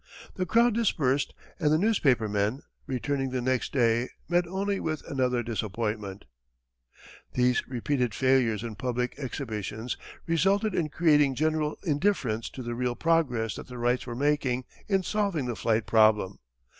The crowd dispersed and the newspapermen, returning the next day, met only with another disappointment. [Illustration: The First Wright Glider.] These repeated failures in public exhibitions resulted in creating general indifference to the real progress that the Wrights were making in solving the flight problem.